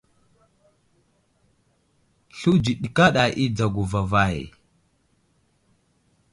Sluwdji ɗi kaɗa i dzago vavay.